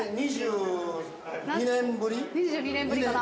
「２２年ぶりかな」